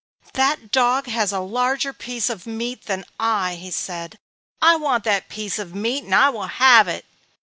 "That dog has a larger piece of meat than I," he said. "I want that piece of meat and I will have it!"